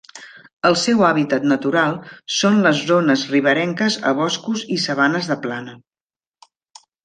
El seu hàbitat natural són les zones riberenques a boscos i sabanes de plana.